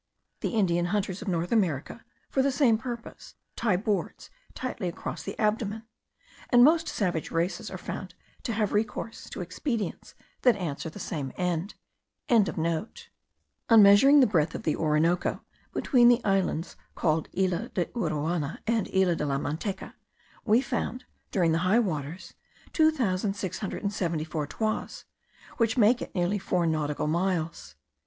The Indian hunters of North America, for the same purpose, tie boards tightly across the abdomen; and most savage races are found to have recourse to expedients that answer the same end.) On measuring the breadth of the Orinoco between the islands called Isla de Uruana and Isla de la Manteca, we found it, during the high waters, 2674 toises, which make nearly four nautical miles.